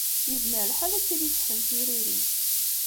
Yezmer lḥal ad tili tessen tiririt.